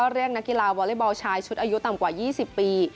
เรียกนักกีฬาวอเล็กบอลชายชุดอายุต่ำกว่า๒๐ปี